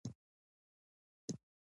شېخ تیمن د لرغوني دورې شاعر دﺉ.